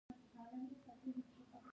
حاضر کسان يې لا هم تر اغېز لاندې وو.